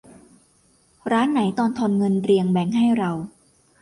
ร้านไหนตอนทอนเงินเรียงแบงก์ให้เรา